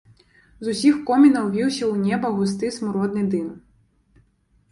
З усіх комінаў віўся ў неба густы смуродны дым.